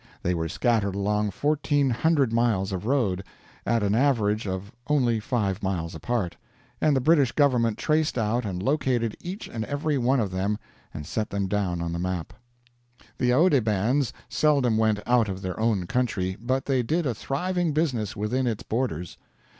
They were scattered along fourteen hundred miles of road, at an average of only five miles apart, and the British government traced out and located each and every one of them and set them down on the map. The Oude bands seldom went out of their own country, but they did a thriving business within its borders.